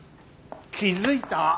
気付いた？